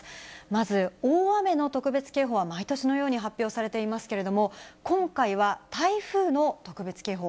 まず、大雨の特別警報は毎年のように発表されていますけれども、今回は台風の特別警報。